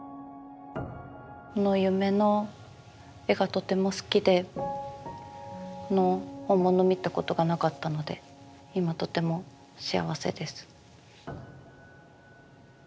この「夢」の絵がとても好きで本物を見たことがなかったので今とても幸せです。